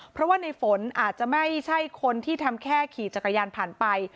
เพราะว่าในฝนอาจจะไม่ใช่คนที่ทำแค่ขี่จักรยานผ่านไป